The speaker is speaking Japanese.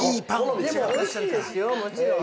でも、おいしいですよ、もちろん。